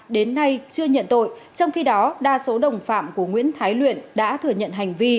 đến nay chưa nhận tội trong khi đó đa số đồng phạm của nguyễn thái luyện đã thừa nhận hành vi